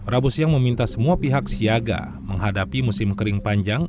rabu siang meminta semua pihak siaga menghadapi musim kering panjang